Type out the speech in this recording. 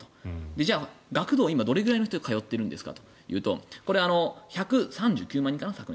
じゃあ、学童は今どれくらいの人が通ってるんですかというと１３９万人かな、昨年。